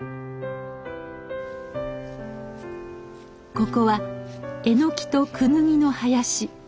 ここはエノキとクヌギの林。